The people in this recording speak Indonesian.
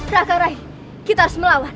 rakan rai kita harus melawan